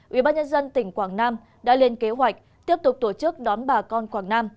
ủy ban nhân dân tỉnh quảng nam đã lên kế hoạch tiếp tục tổ chức đón bà con quảng nam